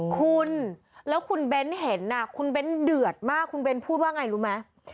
คุณแล้วคุณเบ้นเห็นคุณเบ้นเดือดมากคุณเบ้นพูดว่าไงรู้ไหม